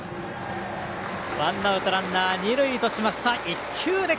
ワンアウトランナー、二塁としました。